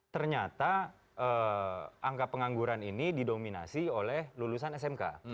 ternyata angka pengangguran ini didominasi oleh lulusan smk